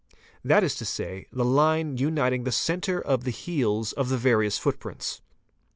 That is to say, the line uniting the centre of the heels of the various footprints.